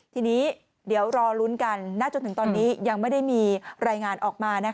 ทีนี้เดี๋ยวรอลุ้นกันณจนถึงตอนนี้ยังไม่ได้มีรายงานออกมา